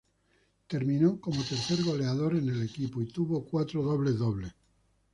Terminó como tercer goleador en el equipo y tuvo cuatro doble-doble.